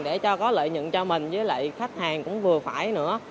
để cho có lợi nhận cho mình với lại khách hàng cũng vừa phải nữa